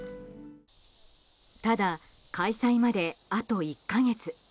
ただ、開催まであと１か月。